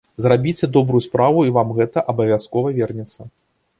Зрабіце добрую справу і вам гэта абавязкова вернецца!